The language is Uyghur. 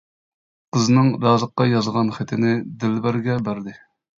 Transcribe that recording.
قىزنىڭ رازىققا يازغان خېتىنى دىلبەرگە بەردى.